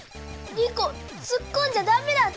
リコつっこんじゃダメだって！